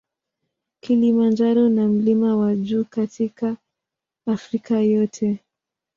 Kilimanjaro na mlima wa juu katika Afrika yote.